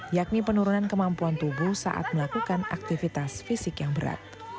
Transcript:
yakni penurunan kemampuan tubuh saat melakukan aktivitas fisik yang berat